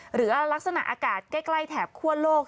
หรือลักษณะอากาศใกล้แถบคั่วโลก